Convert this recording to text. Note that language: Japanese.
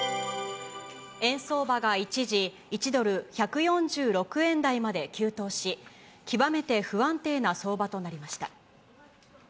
円相場が一時、１ドル１４６円台まで急騰し、極めて不安定な相場となりました。